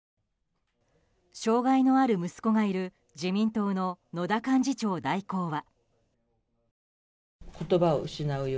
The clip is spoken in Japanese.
障害のある息子がいる自民党の野田幹事長代行は。